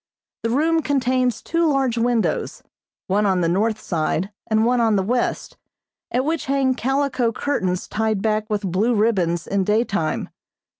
The room contains two large windows, one on the north side and one on the west, at which hang calico curtains tied back with blue ribbons in daytime.